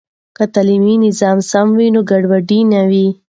که تعلیمي نظام سم وي، نو ګډوډي نه وي.